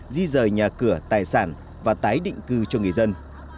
di rời nhà cửa tài sản và tái định cư cho người dân